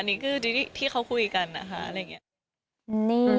อันนี้คือที่เขาคุยกันนะคะอะไรอย่างนี้